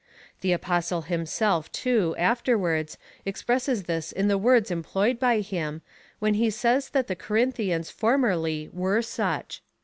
The Apostle himself, too, afterwards expresses this in the words employed by him, when he says that the Corinthians formerly were such.